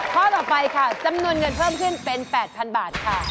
ข้อต่อไปค่ะจำนวนเงินเพิ่มขึ้นเป็น๘๐๐๐บาทค่ะ